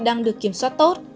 đang được kiểm soát tốt